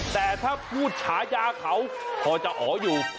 แต่ถ้าพูดฉายาเขาพอจะอ๋ออยู่